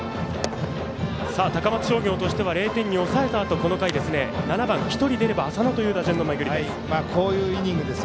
高松商業としては０点に抑えたあとこの回ですね、１人出れば浅野という打順の巡りです。